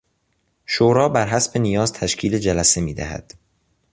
شورا بر حسب نیاز تشکیل جلسه میدهد.